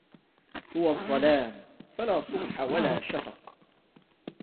هو الظلام فلا صبح ولا شفق